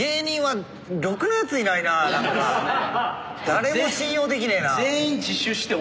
誰も信用できねえな。